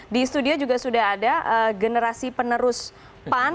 di studio juga sudah ada generasi penerus pan